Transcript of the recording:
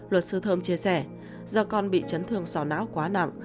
luật sư thơm chia sẻ do con bị chấn thương sò não quá nặng